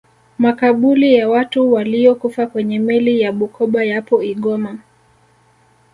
makabuli ya watu waliyokufa kwenye meli ya bukoba yapo igoma